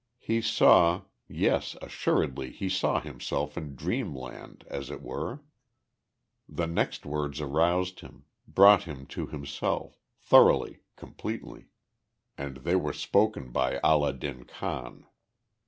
He saw yes, assuredly he saw himself in dreamland, as it were. The next words aroused him brought him to himself thoroughly, completely. And they were spoken by Allah din Khan.